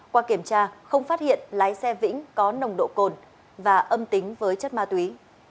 qua kiểm tra không phát hiện lái xe vĩnh có nồng độ cồn và âm tính với chất ma túy